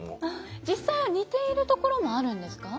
実際は似ているところもあるんですか。